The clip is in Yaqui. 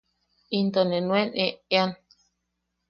Into ne nuen eʼean.